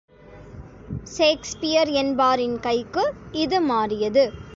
Shakespeare என்பாரின் கைக்கு இது மாறியது.